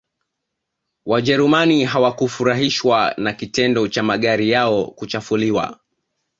wajerumani hawakufurahishwa na kitendo cha magari yao kuchafuliwa